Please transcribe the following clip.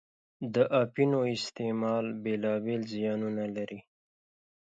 د اپینو استعمال بېلا بېل زیانونه لري.